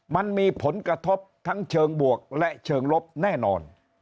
มันมีผลกระทบทั้งเชิงบวกและเชิงลบแน่นอน